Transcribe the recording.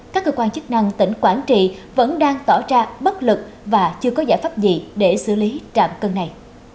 các cơ quan chức năng tỉnh quảng trị vẫn đang tỏ ra bất lực và chưa có giải pháp gì để xử lý trạm cân này